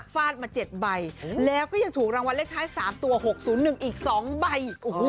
ฟาดมา๗ใบแล้วก็ยังถูกรางวัลเลขท้าย๓ตัว๖๐๑อีก๒ใบ